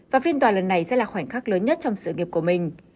và phiên tòa lần này sẽ là khoảnh khắc lớn nhất trong sự nghiệp của mình